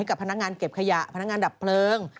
กับพนักงานเก็บขยะพนักงานดับเพลิง